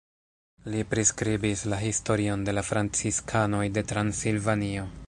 Li priskribis la historion de la franciskanoj de Transilvanio.